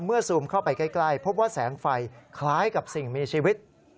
ซูมเข้าไปใกล้พบว่าแสงไฟคล้ายกับสิ่งมีชีวิต